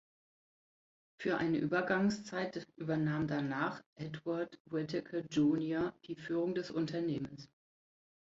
Für eine Übergangszeit übernahm danach Edward Whitacre, Junior die Führung des Unternehmens.